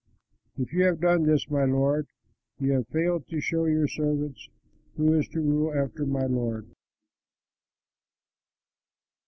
If you have done this, my lord, you have failed to show your servants who is to rule after my lord."